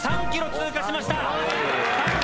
３ｋｍを通過しました。